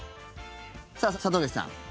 さあ、里崎さん。